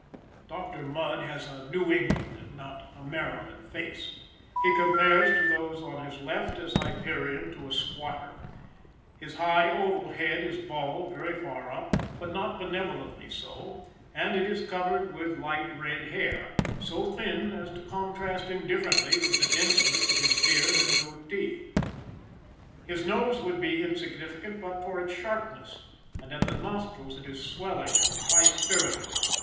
Doctor Mudd has a New England and not a Maryland face. He compares, to those on his left, as Hyperion to a squatter. His high, oval head is bald very far up, but not benevolently so, and it is covered with light red hair, so thin as to contrast indifferently with the denseness of his beard and goatee. His nose would be insignificant but for its sharpness, and at the nostrils it is swelling and high spirited.